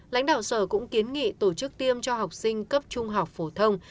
lãnh đạo sở cũng kiến nghị tổ chức tiêm cho học sinh cấp trung học phổ thông